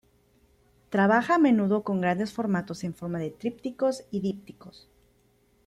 Trabaja a menudo con grandes formatos en forma de trípticos y dípticos.